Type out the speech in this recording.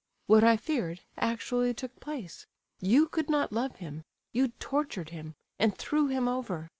What I feared actually took place; you could not love him, you tortured him, and threw him over.